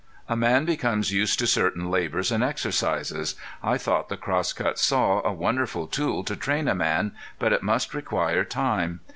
A man becomes used to certain labors and exercises. I thought the crosscut saw a wonderful tool to train a man, but it must require time.